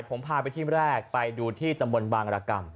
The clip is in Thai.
ผมพาไปที่แรกไปดูที่ตำบลบางรกรรม